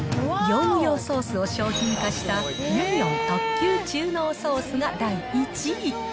業務用ソースを商品化した、ユニオン特級中濃ソースが第１位。